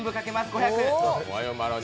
５００。